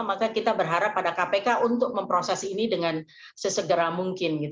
maka kita berharap pada kpk untuk memproses ini dengan sesegera mungkin